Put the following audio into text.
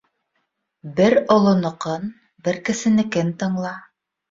Бер олоноҡон, бер кесенекен тыңла.